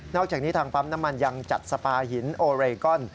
อกจากนี้ทางปั๊มน้ำมันยังจัดสปาหินโอเรกอน